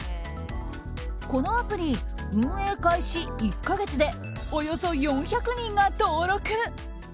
このアプリ、運営開始１か月でおよそ４００人が登録。